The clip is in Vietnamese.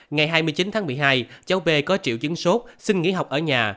ngày hai mươi chín tháng một mươi hai cháu b có triệu chứng sốt xin nghỉ học ở nhà